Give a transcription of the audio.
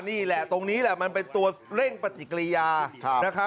นี่แหละตรงนี้แหละมันเป็นตัวเร่งปฏิกิริยา